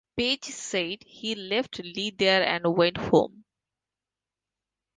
Page said he left Lee there and went home.